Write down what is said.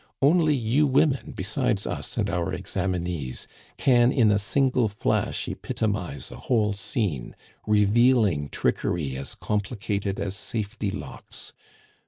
"Only you women, besides us and our examinees, can in a single flash epitomize a whole scene, revealing trickery as complicated as safety locks.